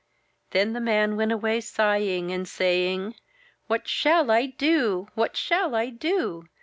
Then the man went away sighing, and saying: — "What shall I do? What shall I do?